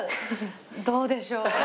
どうでしょう。